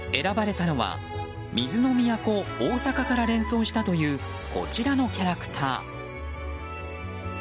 選ばれたのは水の都・大阪から連想したというこちらのキャラクター。